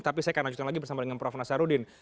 tapi saya akan lanjutkan lagi bersama dengan prof nasaruddin